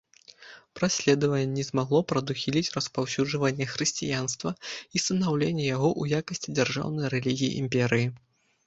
Праследаванне не змагло прадухіліць распаўсюджванне хрысціянства і станаўленне яго ў якасці дзяржаўнай рэлігіі імперыі.